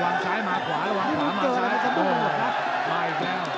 ระวังซ้ายหมาขวาระวังขวาหมาซ้าย